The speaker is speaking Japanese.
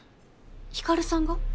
光さんが？